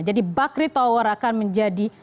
jadi bakri tower akan menjadi